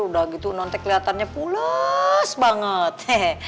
udah gitu non teh keliatannya pulas banget